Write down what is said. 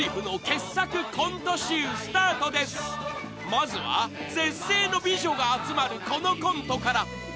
まずは絶世の美女が集まるこのコントから］